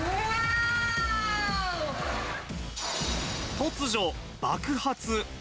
突如、爆発。